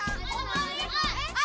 あ